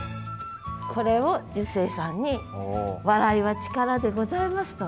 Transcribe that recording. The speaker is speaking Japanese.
これを寿星さんに「笑い」は力でございますと。